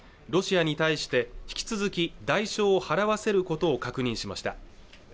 ロシアに対して引き続き代償を払わせることを確認しました